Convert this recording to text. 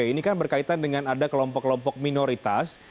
ini kan berkaitan dengan ada kelompok kelompok minoritas